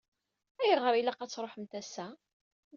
Ayɣer i ilaq ad tṛuḥemt ass-a?